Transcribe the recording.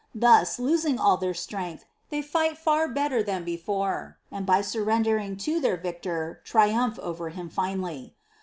Thus, losing all their strength, they fight far better than before, and by surrendering to their victor, triumph over Him finally.